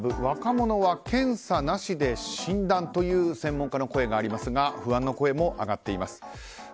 若者は検査なしで診断という専門家の声がありますが不安の声も上がっています。